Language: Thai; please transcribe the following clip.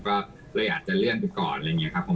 ก็เลยอาจจะเลื่อนไปก่อนอะไรอย่างนี้ครับผม